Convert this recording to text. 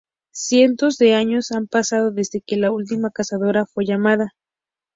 Cientos de años han pasado desde que la última cazadora fue llamada.